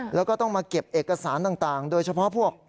แล้วก็ต้องมาเก็บเอกสารต่างโดยเฉพาะพวก